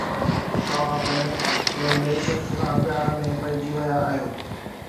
توهان پڻ ڪنهن ٻئي شخص سان پيار ۾ پئجي ويا آهيو